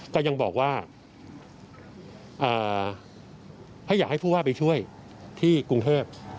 ก็ยังบอกว่าให้อยากให้ผู้ว่าไปช่วยที่กรุงเทพ